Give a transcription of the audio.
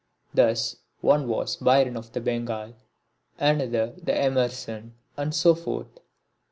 Thus one was the Byron of Bengal, another the Emerson and so forth.